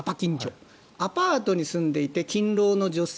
アパートに住んでいて勤労の女性。